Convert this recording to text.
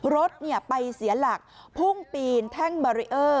รถไปเสียหลักพุ่งปีนแท่งบารีเออร์